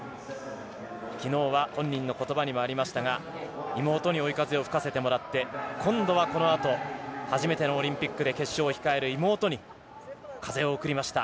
きのうは本人のことばにもありましたが、妹に追い風を吹かせてもらって、今度はこのあと、初めてのオリンピックで決勝を控える妹に、風を送りました。